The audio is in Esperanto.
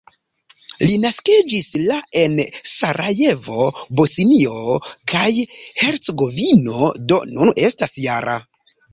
Li naskiĝis la en Sarajevo, Bosnio kaj Hercegovino, do nun estas -jara.